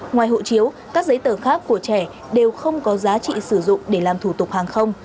ngoài hộ chiếu các giấy tờ khác của trẻ đều không có giá trị sử dụng để làm thủ tục hàng không